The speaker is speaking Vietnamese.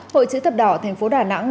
hội chữ thập đỏ thành phố đà nẵng